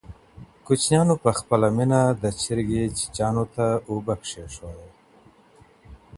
ماشوم په خپله مینه د چرګې بچیو ته اوبه کېښودې.